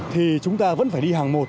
thì chúng ta vẫn phải đi hàng một